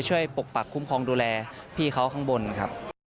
ปกปักคุ้มครองดูแลพี่เขาข้างบนครับ